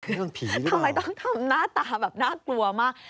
คือทำไมต้องทำหน้าตาแบบน่ากลัวมาก